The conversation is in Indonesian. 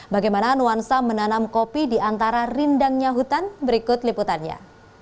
bagaimana nuansa menanam kopi di antara rindangnya hutan berikut liputannya